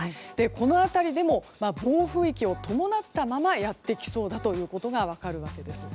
この辺りでも暴風域を伴ったままやってきそうだということが分かるわけです。